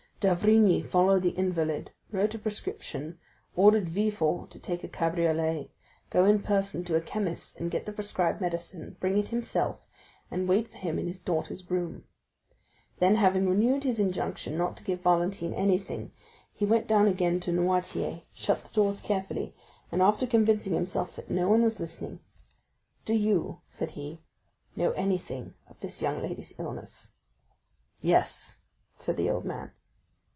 D'Avrigny followed the invalid, wrote a prescription, ordered Villefort to take a cabriolet, go in person to a chemist's to get the prescribed medicine, bring it himself, and wait for him in his daughter's room. Then, having renewed his injunction not to give Valentine anything, he went down again to Noirtier, shut the doors carefully, and after convincing himself that no one was listening: "Do you," said he, "know anything of this young lady's illness?" "Yes," said the old man.